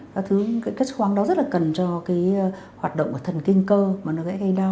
các chất khoáng đó rất là cần cho hoạt động của thần kinh cơ mà nó gây đau